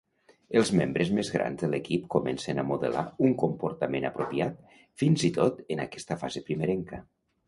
Els membres més grans de l'equip comencen a modelar un comportament apropiat fins i tot en aquesta fase primerenca.